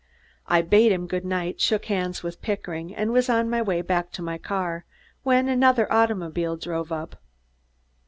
I bade him good night, shook hands with Pickering and was on my way back to my car, when another automobile drove up.